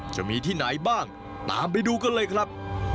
จะมีที่ไหนบ้างตามไปดูกันเลยครับ